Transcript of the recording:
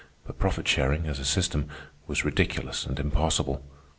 But profit sharing, as a system, was ridiculous and impossible.